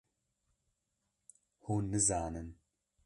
hûn nizanin.